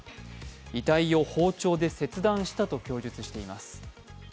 遺体を包丁で切断したと供述しています。